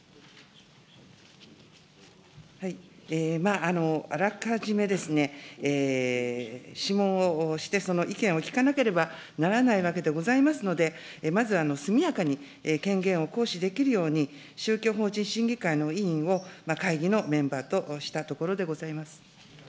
あらかじめ、諮問をして、その意見を聞かなければならないわけでございますので、まず速やかに権限を行使できるように、宗教法人審議会の委員を会議のメンバーとしたところでございます。